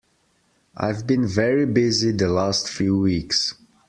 I've been very busy the last few weeks.